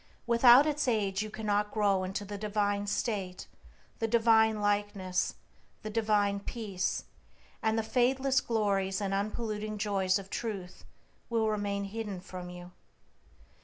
Without its aid you cannot grow into the divine state, the divine likeness, the divine peace, and the fadeless glories and unpolluting joys of Truth will remain hidden from you.